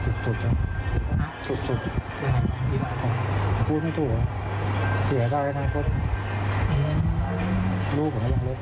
ลูกลูกลูก